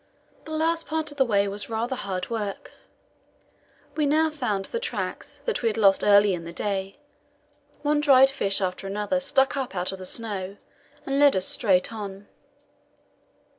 The last part of the way was rather hard work. We now found the tracks that we had lost early in the day; one dried fish after another stuck up out of the snow and led us straight on.